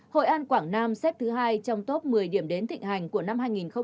hội an quảng nam xếp thứ hai trong top một mươi điểm đến thịnh hành của năm hai nghìn hai mươi